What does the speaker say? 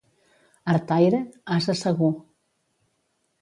Artaire, ase segur.